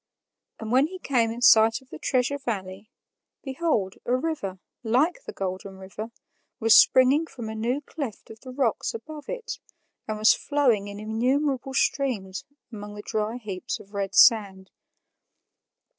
And when he came in sight of the Treasure Valley, behold, a river, like the Golden River, was springing from a new cleft of the rocks above it and was flowing in innumerable streams among the dry heaps of red sand.